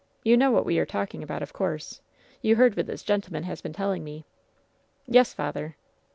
You know what we are talking about, of course. You heard what this gentleman has been telling me." "Yes, father."